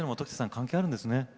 関係あるんですね。